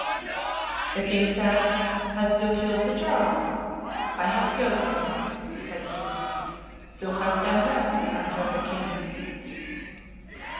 "The King said, 'Hast thou killed the Jarl?' 'I have killed him,' said he. 'Thou hast done well,' answered the King."